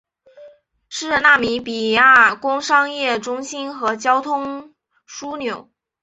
是纳米比亚工商业中心和交通枢纽。